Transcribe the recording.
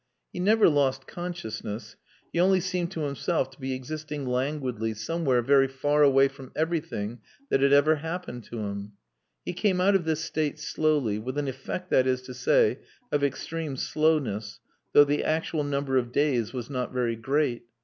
He never lost consciousness; he only seemed to himself to be existing languidly somewhere very far away from everything that had ever happened to him. He came out of this state slowly, with an effect, that is to say, of extreme slowness, though the actual number of days was not very great.